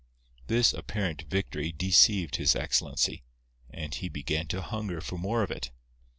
This apparent victory deceived His Excellency; and he began to hunger for more of it.